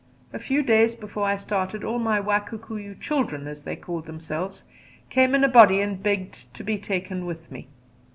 A few days before I started all my Wa Kikuyu "children", as they called themselves, came in a body and begged to be taken with me.